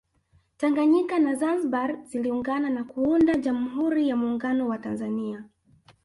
Tanganyika na Zanzibar ziliungana na kuunda Jamhuri ya Muungano wa Tanzania